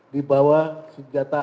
di bawah senjata